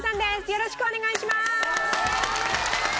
よろしくお願いします。